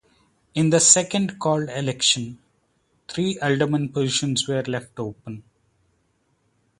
In the second called election, three aldermen positions were left open.